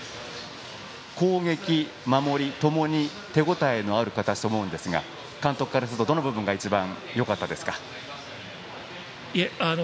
攻撃、守りともに手応えのある形と思うんですが監督からすると、どの部分が一番よかったですか？